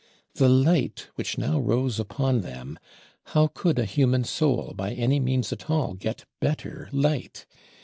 The light which now rose upon them, how could a human soul, by any means at all, get better light?